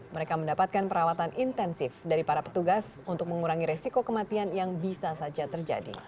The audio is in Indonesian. mereka mendapatkan perawatan intensif dari para petugas untuk mengurangi resiko kematian yang bisa saja terjadi